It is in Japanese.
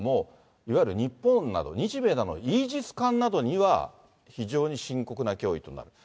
いわゆる日本など、日米など、イージス艦などには非常に深刻な脅威となる。